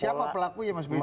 siapa pelakunya mas benny